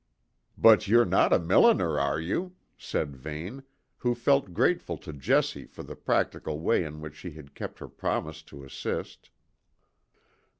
"But you're not a milliner, are you?" said Vane, who felt grateful to Jessie for the practical way in which she had kept her promise to assist.